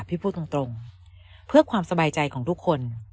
พี่พูดตรงเพื่อความสบายใจของทุกคน